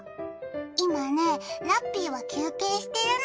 今ね、ラッピーは休憩してるの。